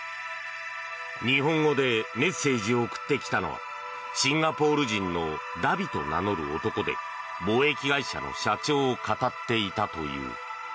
日本語でメッセージを送ってきたのはシンガポール人のダビと名乗る男で貿易会社の社長をかたっていたという。